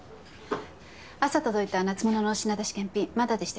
朝届いた夏物の品出し検品まだでしたよね？